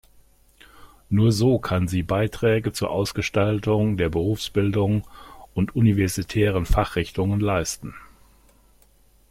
Nur so kann sie „Beiträge zur Ausgestaltung der Berufsbildung und universitären Fachrichtungen leisten“.